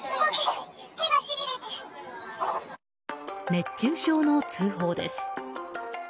熱中症の通報です。